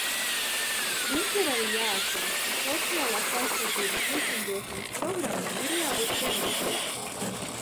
Mums ir arī jāatceras, ka sociālās aizsardzības likumdošanas programmām ir jābūt preventīvām.